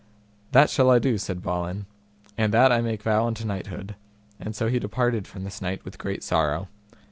That shall I do, said Balin, and that I make vow unto knighthood; and so he departed from this knight with great sorrow.